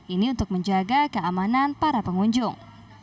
ini untuk menjaga keamanan para pengunjung